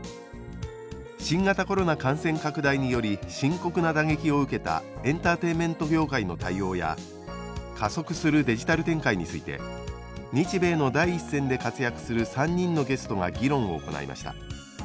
新型コロナ感染拡大により深刻な打撃を受けたエンターテインメント業界の対応や加速するデジタル展開について日米の第一線で活躍する３人のゲストが議論を行いました。